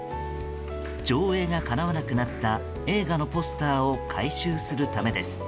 上映がかなわなくなった映画のポスターを回収するためです。